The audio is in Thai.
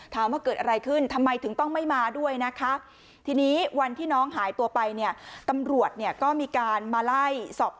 ถามว่าเกิดอะไรขึ้นทำไมถึงต้องไม่มาด้วยนะคะทีนี้วันที่น้องหายตัวไปเนี่ยตำรวจเนี่ยก็มีการมาไล่สอบ